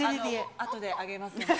あとであげますね。